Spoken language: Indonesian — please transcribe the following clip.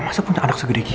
masa punya anak segede ini